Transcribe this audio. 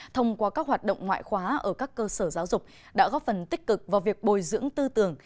thông qua các hoạt động ngoại khóa ở các cơ sở giáo dục đã góp phần tích cực vào việc bồi dưỡng tư tưởng